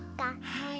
はい。